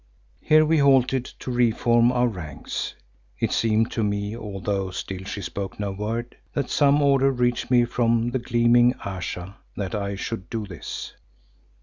Here we halted to re form our ranks; it seemed to me, although still she spoke no word, that some order reached me from the gleaming Ayesha that I should do this.